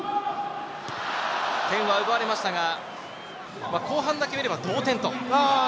点は奪われましたが、後半だけ見れば同点と。